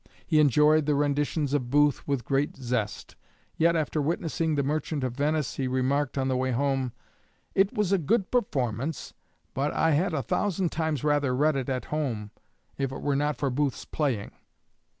He enjoyed the renditions of Booth with great zest; yet after witnessing "The Merchant of Venice" he remarked on the way home: "It was a good performance, but I had a thousand times rather read it at home, if it were not for Booth's playing.